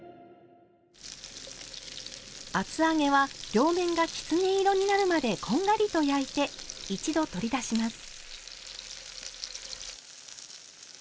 厚揚げは両面がきつね色になるまでこんがりと焼いて一度取り出します。